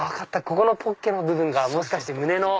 ここのポッケの部分がもしかして胸の。